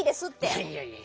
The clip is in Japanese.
いやいやいや。